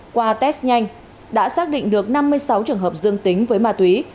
qua test nhanh đã xác định được năm mươi sáu trường hợp dương tính với ma túy